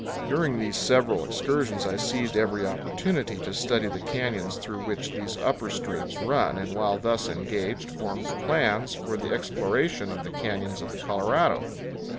During these several excursions I seized every opportunity to study the canyons through which these upper streams run, and while thus engaged formed plans for the exploration of the canyons of the Colorado.